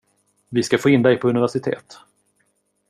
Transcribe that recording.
Vi ska få in dig på universitet.